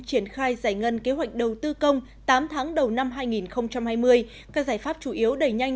triển khai giải ngân kế hoạch đầu tư công tám tháng đầu năm hai nghìn hai mươi các giải pháp chủ yếu đẩy nhanh